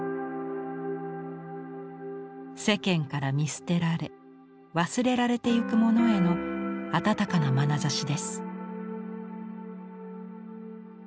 世間から見捨てられ忘れられていくものへの温かなまなざしです。